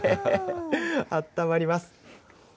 あったまります。